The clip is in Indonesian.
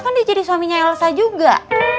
kan dia jadi suaminya elsa juga